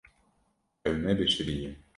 Ew nebişiriye.